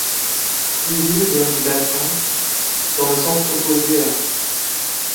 Civil vient du latin ', dans le sens opposé à '.